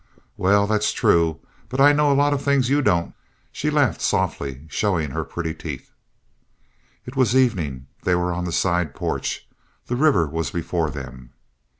"Well, that's true. But I know a lot of things you don't know." She laughed softly, showing her pretty teeth. It was evening. They were on the side porch. The river was before them.